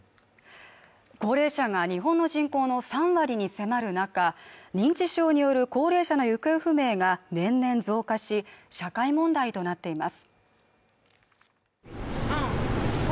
高齢者が日本の人口の３割に迫る中認知症による高齢者の行方不明が年々増加し社会問題となっています